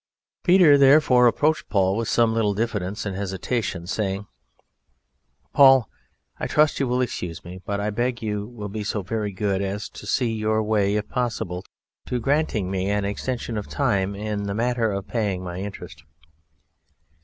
Peter therefore approached Paul with some little diffidence and hesitation, saying: "Paul: I trust you will excuse me, but I beg you will be so very good as to see your way, if possible, to granting me an extension of time in the matter of paying my interest."